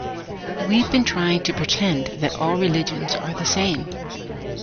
We've been trying to pretend that all religions are the same.